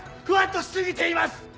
ふわっとし過ぎています！